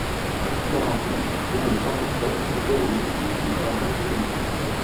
quarante-huit rue des trois Fourchettes, zéro huit, six cents, Givet